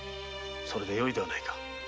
それでよいではないか。